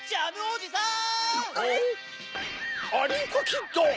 アリンコキッド！